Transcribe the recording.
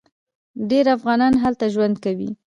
ډیر افغانان هلته ژوند کوي.